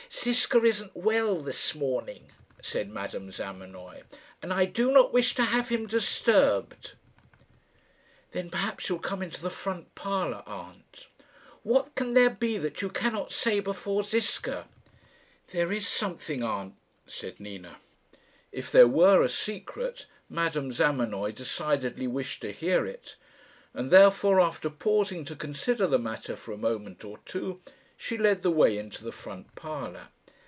"Ziska isn't well this morning," said Madame Zamenoy, "and I do not wish to have him disturbed." "Then perhaps you'll come into the front parlour, aunt." "What can there be that you cannot say before Ziska?" "There is something, aunt," said Nina. If there were a secret, Madame Zamenoy decidedly wished to hear it, and therefore, after pausing to consider the matter for a moment or two, she led the way into the front parlour.